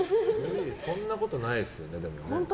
そんなことないですよねでも。